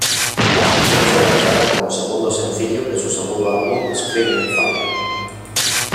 La canción fue lanzada como segundo sencillo de su segundo álbum Scream Aim Fire.